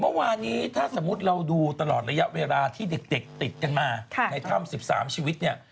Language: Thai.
เมื่อวานนี้ถ้าสมมุติเราดูตลอดระยะเวลาที่เด็กติดกันมาในถ้ำ๑๓ชีวิตเนี่ย